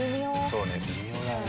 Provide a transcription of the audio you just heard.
そうね微妙だね。